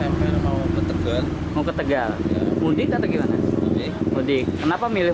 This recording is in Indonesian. memang hemat biaya dalam arti biaya makan biaya segala macam